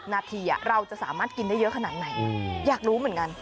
นาทีเราจะสามารถกินได้เยอะขนาดไหนอยากรู้เหมือนกัน